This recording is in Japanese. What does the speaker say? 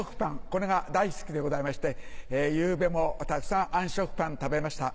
これが大好きでございまして昨夜もたくさんあん食パン食べました。